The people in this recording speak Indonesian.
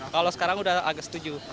kalau sekarang udah agak setuju